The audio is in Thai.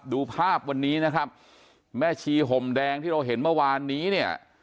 ดูภาพวันนี้นะครับแม่ชีห่มแดงที่เราเห็นเมื่อวานนี้เนี่ย